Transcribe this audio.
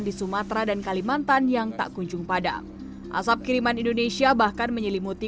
di sumatera dan kalimantan yang tak kunjung padam asap kiriman indonesia bahkan menyelimuti